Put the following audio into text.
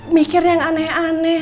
mikir yang aneh aneh